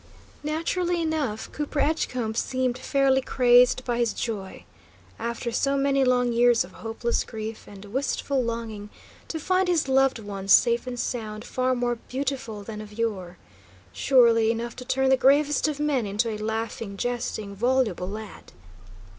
Naturally enough, Cooper Edgecombe seemed fairly crazed by his joy. After so many long years of hopeless grief and wistful longing, to find his loved ones, safe and sound, far more beautiful than of yore! Surely enough to turn the gravest of men into a laughing, jesting, voluble lad!